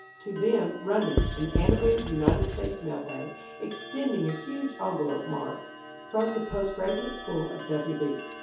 To them, running, an animated United States mail bag, extending a huge envelope marked: "From the Post Graduate School of W.